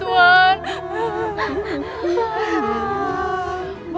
bukannya ayahmu kepercayaan gusti prabu